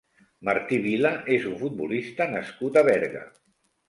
Martí Vilà és un futbolista nascut a Berga.